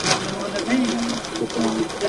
কিন্তু অন্যদের সাথে আম্মু এত ভদ্র কেন?